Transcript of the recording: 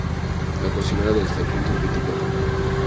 La cocinera del establecimiento es Betty Boop.